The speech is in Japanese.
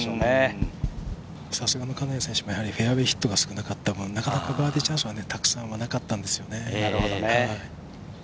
さすがの金谷選手もフェアウエーヒットが少なかった分、バーディーチャンスがなかなか、なかったんですよね。